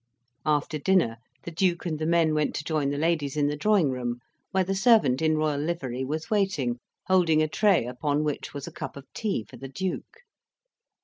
After dinner the Duke and the men went to join the ladies in the drawing room, where the servant in royal livery was waiting, holding a tray upon which was a cup of tea for the Duke.